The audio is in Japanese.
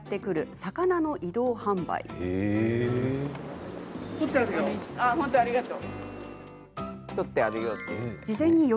はい、ありがとう。